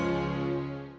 babakmu akan jadi penyelesaian